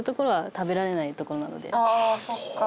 ああそっか。